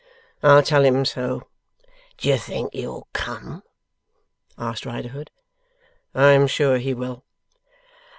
'I'll tell him so.' 'D'ye think he'll come?' asked Riderhood. 'I am sure he will.